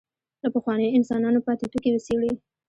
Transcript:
له پخوانیو انسانانو پاتې توکي وڅېړي.